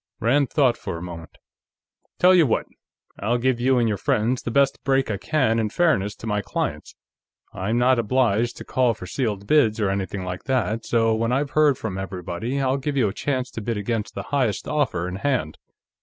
Rand thought for a moment. "Tell you what; I'll give you and your friends the best break I can in fairness to my clients. I'm not obliged to call for sealed bids, or anything like that, so when I've heard from everybody, I'll give you a chance to bid against the highest offer in hand.